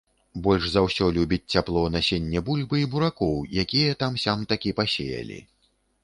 Больш за ўсё любіць цяпло насенне бульбы і буракоў, якія там-сям такі пасеялі.